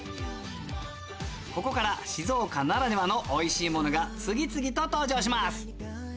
ここから静岡ならではのおいしいものが次々と登場します！